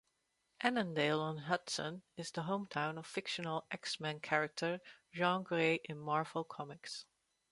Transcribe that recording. Annandale-on-Hudson is the hometown of fictional X-Men character Jean Grey in Marvel Comics.